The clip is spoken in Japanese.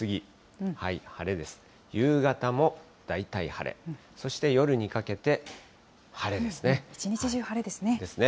夕方も大体晴れ、そして夜にかけて晴れですね。ですね。